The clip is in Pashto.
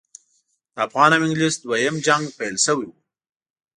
د افغان او انګلیس دوهم جنګ پیل شوی وو.